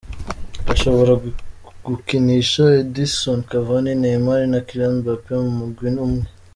Bashobora gukinisha Edinson Cavani, Neymar na Kylian Mbappe mu mugwi umwe?.